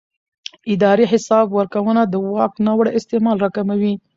اداري حساب ورکونه د واک ناوړه استعمال راکموي